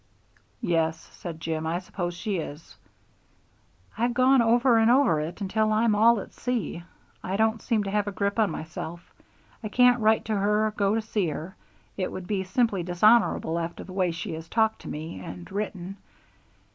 "Yes," said Jim, "I suppose she is." "I've gone over and over it until I'm all at sea. I don't seem to have a grip on myself. I can't write to her or go to see her. It would be simply dishonorable after the way she has talked to me and written."